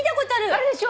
あるでしょ？